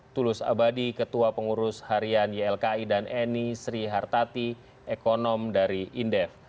tulus abadi ketua pengurus harian ylki dan eni sri hartati ekonom dari indef